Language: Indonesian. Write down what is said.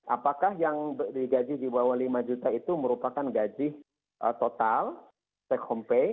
apakah yang digaji di bawah lima juta itu merupakan gaji total take home pay